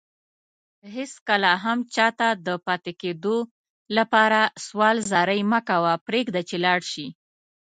هيڅ کله هم چاته دپاتي کيدو لپاره سوال زاری مکوه پريږده چي لاړشي